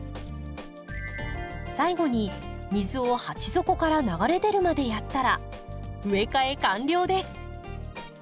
最後に水を鉢底から流れ出るまでやったら植え替え完了です。